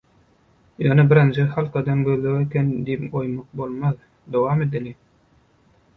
Ýöne birinji halkadan gözleg eken diýip goýmak bolmaz, dowam edeliň.